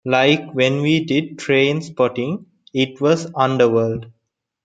Like when we did "Trainspotting", it was Underworld.